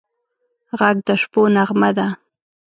غږ د شپو نغمه ده